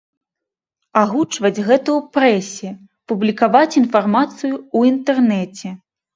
Агучваць гэта ў прэсе, публікаваць інфармацыю ў інтэрнэце.